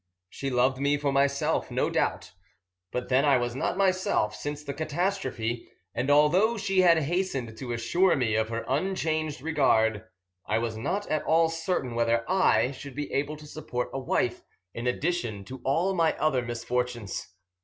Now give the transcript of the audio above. She loved me for myself, no doubt, but then I was not myself since the catastrophe; and although she had hastened to assure me of her unchanged regard, I was not at all certain whether I should be able to support a wife in addition to all my other misfortunes.